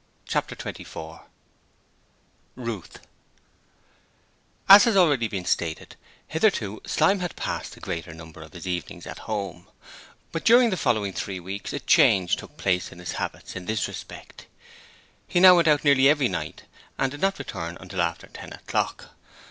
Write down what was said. Chapter 24 Ruth As has already been stated, hitherto Slyme had passed the greater number of his evenings at home, but during the following three weeks a change took place in his habits in this respect. He now went out nearly every night and did not return until after ten o'clock.